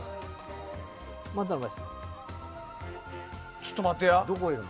ちょっと待ってや。